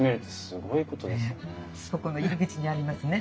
そこの入り口にありますね